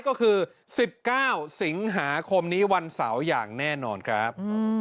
ก็คือ๑๙สิงหาคมนี้วันเสาร์อย่างแน่นอนครับ